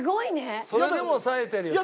それでもさえてるよ。